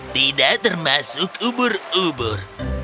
tidak termasuk ubur ubur